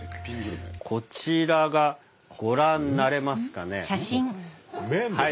こちらがご覧になれますかね。何？